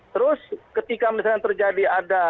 terus ketika misalnya terjadi ada